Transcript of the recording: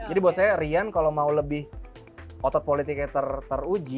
jadi buat saya rian kalau mau lebih otot politiknya teruji